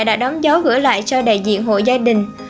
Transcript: đã đóng dấu gửi lại cho đại diện hộ gia đình